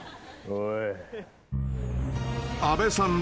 はい。